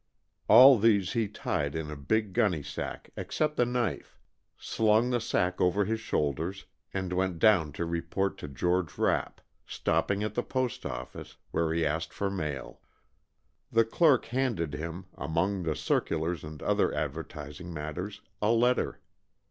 All these he tied in a big gunny sack, except the knife, slung the sack over his shoulders, and went down to report to George Rapp, stopping at the Post Office, where he asked for mail. The clerk handed him, among the circulars and other advertising matter, a letter.